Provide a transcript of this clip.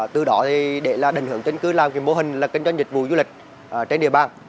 từ đó thì để là đình hưởng chân cư làm cái mô hình là kinh doanh dịch vụ du lịch trên địa bàn